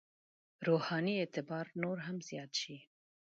روحاني اعتبار نور هم زیات شي.